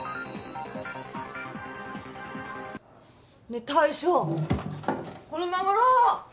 ねえ大将このマグロ！